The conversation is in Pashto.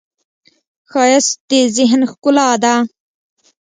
ښایست د ذهن ښکلا ده